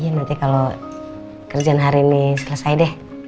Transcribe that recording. ya nanti kalau kerjaan hari ini selesai deh